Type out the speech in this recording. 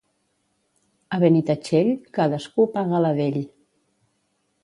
A Benitatxell, cadascú paga la d'ell